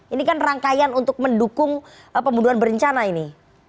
ini kan rangkaian untuk mendukung pembunuhan berencana ini